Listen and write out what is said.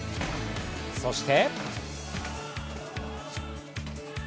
そして。